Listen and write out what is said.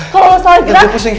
kalau lo salah gerak